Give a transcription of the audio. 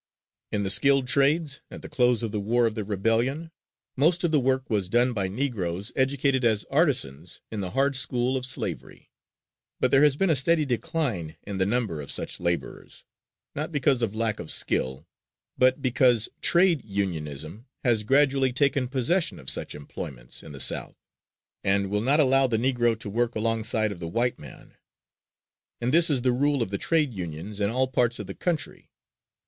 In the skilled trades, at the close of the War of the Rebellion, most of the work was done by Negroes educated as artisans in the hard school of slavery, but there has been a steady decline in the number of such laborers, not because of lack of skill, but because trade unionism has gradually taken possession of such employments in the South, and will not allow the Negro to work alongside of the white man. And this is the rule of the trade unions in all parts of the country.